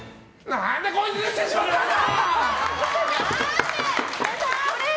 なぜこいつに託してしまったんだ。